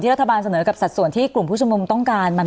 รัฐบาลเสนอกับสัดส่วนที่กลุ่มผู้ชมนุมต้องการ